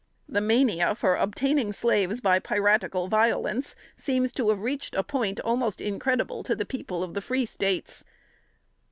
[Sidenote: 1835.] The mania for obtaining slaves by piratical violence, seems to have reached a point almost incredible to the people of the free States.